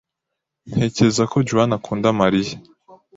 Ntekereza ko Juan akunda María.